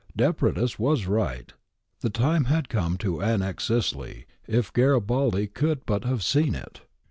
Depretis was right. The time had come to annex Sicily, if Garibaldi could but have seen it.